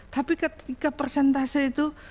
tapi ketika persentase itu